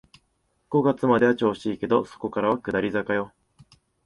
五月までは調子いいけど、そこからは下り坂よ